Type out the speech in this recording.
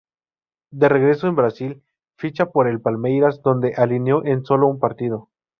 De regreso en Brasil ficha por el Palmeiras donde alineó en sólo un partido.